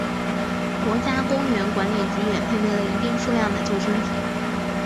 国家公园管理局也配备了一定数量的救生艇。